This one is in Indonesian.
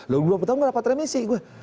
lalu dua puluh tahun tidak dapat remisi